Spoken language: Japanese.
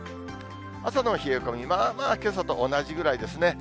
朝の冷え込み、まあまあけさと同じぐらいですね。